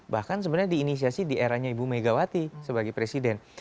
bahkan sebenarnya diinisiasi di eranya ibu megawati sebagai presiden